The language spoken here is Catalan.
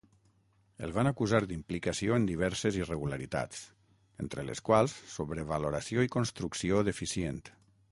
El van acusar d'implicació en diverses irregularitats, entre les quals sobrevaloració i construcció deficient.